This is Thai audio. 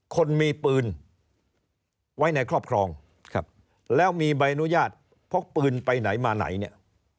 คนมีปืนไว้ในครอบครองครับแล้วมีใบอนุญาตพกปืนไปไหนมาไหนเนี่ย